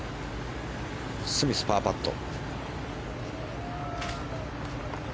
スミス、パーパット。